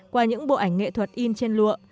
qua những bộ ảnh nghệ thuật in trên lụa